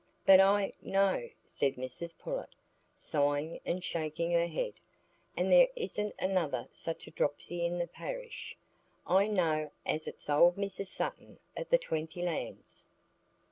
"But I know," said Mrs Pullet, sighing and shaking her head; "and there isn't another such a dropsy in the parish. I know as it's old Mrs Sutton o' the Twentylands."